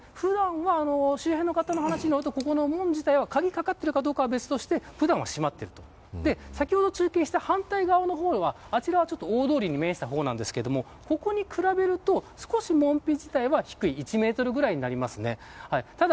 普段は、周辺の方の話によると鍵がかかっているかどうかは別として、普段は閉まっている先ほど中継した反対側は大通りに面した方ですがここに比べると少し門扉自体は低い１メートルぐらいになりますね。